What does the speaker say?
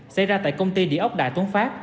xảy ra tại công ty địa ốc đại tuấn phát